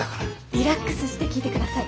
リラックスして聞いて下さい。